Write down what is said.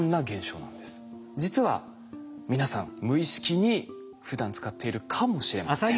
実は皆さん無意識にふだん使っているかもしれません。